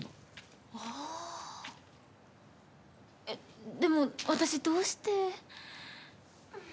えっでも私どうして？